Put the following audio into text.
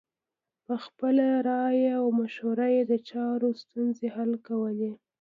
په خپله رایه او مشوره یې د چارو ستونزې حل کولې.